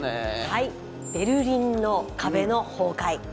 はいベルリンの壁の崩壊。